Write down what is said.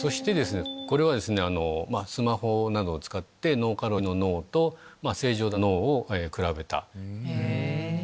これはスマホなどを使って脳過労の脳と正常な脳を比べた。